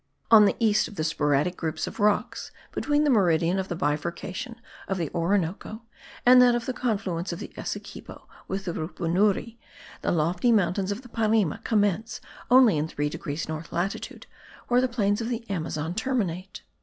On the east of the sporadic groups of rocks (between the meridian of the bifurcation of the Orinoco and that of the confluence of the Essequibo with the Rupunuri) the lofty mountains of the Parime commence only in 3 degrees north latitude; where the plains of the Amazon terminate.